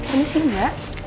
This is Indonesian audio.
ini sih mbak